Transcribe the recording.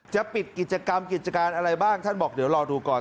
จะปิดกิจกรรมกิจการอะไรบ้างท่านบอกเดี๋ยวรอดูก่อน